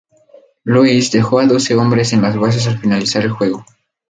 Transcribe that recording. Louis dejó a doce hombres en las bases al finalizar el juego.